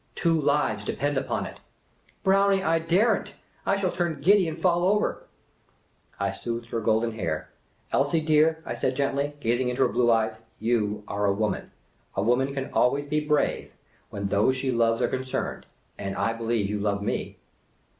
Two lives depend upon it." •'Brownie, I dare n't! I shall turn giddy and fall over !'' I smoothed her golden hair. " Elsie, dear," I said gently, gazing into her blue eyes, " j'ou are a woman. A woman can always be brave, where those she loves are concerned ; and I believe you love me."